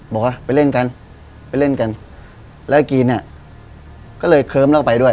บอกว่าไปเล่นกันไปเล่นกันแล้วกี๊เนี้ยก็เลยเคิร์มแล้วก็ไปด้วย